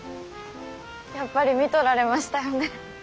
やっぱり見とられましたよね。